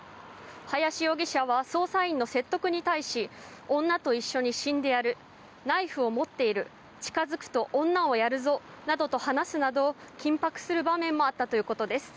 林容疑者は捜査員の説得に対し女と一緒に死んでやるナイフを持っている近付くと女をやるぞなどと話すなど緊迫する場面もあったということです。